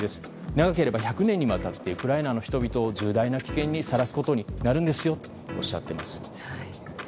長ければ１００年にわたってウクライナの人々を重大な危険にさらすことになるんですよとおっしゃっています。